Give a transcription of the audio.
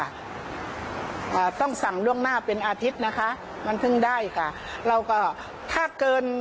อ่าต้องสั่งล่วงหน้าเป็นอาทิตย์นะคะมันเพิ่งได้ค่ะเราก็ถ้าเกิน